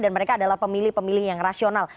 dan mereka adalah pemilih pemilih yang rasional